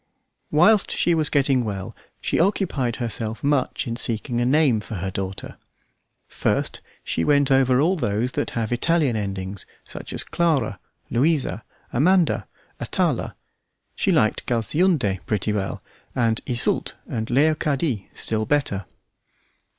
Whilst she was getting well she occupied herself much in seeking a name for her daughter. First she went over all those that have Italian endings, such as Clara, Louisa, Amanda, Atala; she liked Galsuinde pretty well, and Yseult or Leocadie still better.